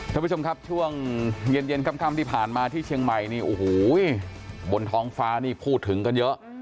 ท่านผู้ชมครับช่วงเย็นเย็นค่ำที่ผ่านมาที่เชียงใหม่นี่โอ้โหบนท้องฟ้านี่พูดถึงกันเยอะ